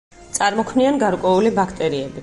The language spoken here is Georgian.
წარმოქმნიან გარკვეული ბაქტერიები.